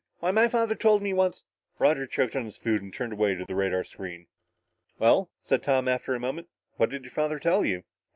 Why my father told me once " Roger choked on his food and turned away to the radar screen. "Well," said Tom after a moment, "what did your father tell you?"